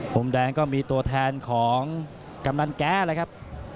มุมแดงก็มีตัวแทนของกำลังแก้นะครับ